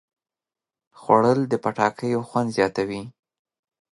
خوړل د پټاکیو خوند زیاتوي